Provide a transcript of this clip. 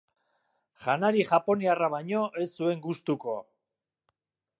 Janari japoniarra baino ez zuen gustuko.